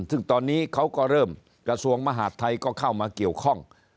ซึ่งตอนนี้เขาก็เริ่มกระทรวงมหาดไทยก็เข้ามาเกี่ยวข้อง